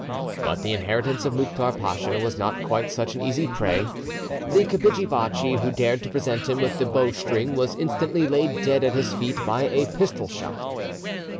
But the inheritance of Mouktar Pacha was not quite such an easy prey. The kapidgi bachi who dared to present him with the bowstring was instantly laid dead at his feet by a pistol shot.